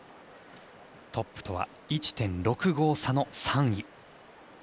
トップとは１．６５差の３位。